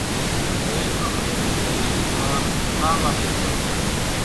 زيم امين ڪريست مانَ ٺاۿوا شيڇون سي،